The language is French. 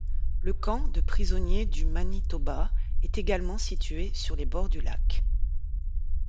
Le camp de pionniers du Manitoba est également situé sur les bords du lac.